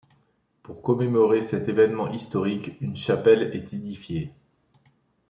Pour commémorer cet événement historique, une chapelle est édifiée.